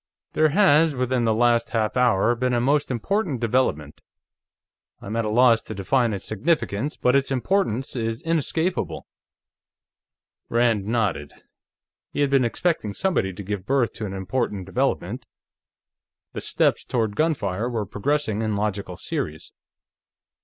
"There has, within the last half hour, been a most important development. I am at a loss to define its significance, but its importance is inescapable." Rand nodded. He had been expecting somebody to give birth to an important development; the steps toward gunfire were progressing in logical series.